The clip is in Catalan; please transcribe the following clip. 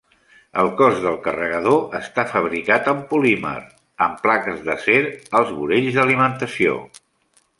El cos del carregador està fabricat amb polímer, amb plaques d'acer als vorells d'alimentació.